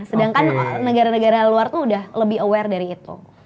sedangkan negara negara luar itu udah lebih aware dari itu